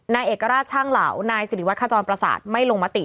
นายเอกราชช่างเหล่านายสิริวัฒจรประสาทไม่ลงมติ